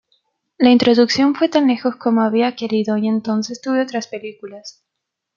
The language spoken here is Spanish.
La introducción fue tan lejos como había querido y entonces tuve otras películas.